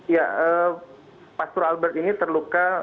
ya pastur albert ini terluka